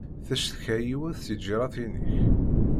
Teccetka yiwet seg tǧiratin-ik.